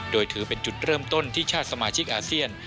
โดยถือเป็นจุดเริ่มต้นที่ชาติสมาชิกอาเซียน